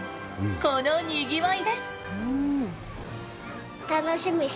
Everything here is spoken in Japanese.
このにぎわいです！